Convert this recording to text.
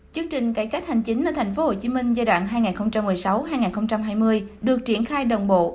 chương trình cải cách hành chính ở thành phố hồ chí minh giai đoạn hai nghìn một mươi sáu hai nghìn hai mươi được triển khai đồng bộ